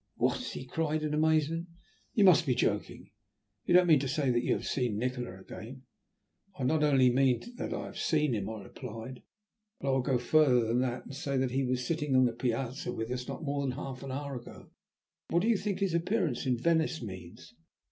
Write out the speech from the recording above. "What?" he cried, in amazement. "You must be joking. You don't mean to say that you have seen Nikola again?" "I not only mean that I have seen him," I replied, "but I will go further than that, and say that he was sitting on the piazza with us not more than half an hour ago. What do you think his appearance in Venice means?"